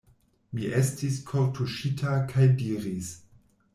Mi estis kortuŝita kaj diris: